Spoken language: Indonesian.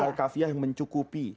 al kafiyah yang mencukupi